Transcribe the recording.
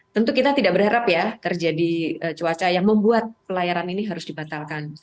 tentu kita tidak berharap ya terjadi cuaca yang membuat pelayaran ini harus dibatalkan